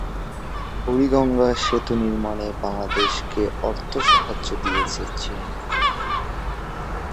বুড়িগঙ্গা সেতু নির্মাণে বাংলাদেশকে অর্থ সাহায্য দিয়েছে চীন।